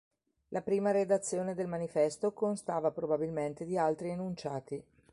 La prima redazione del Manifesto constava probabilmente di altri enunciati.